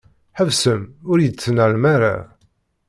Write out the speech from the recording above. Ḥebsem ur yi-d-ttnalem ara.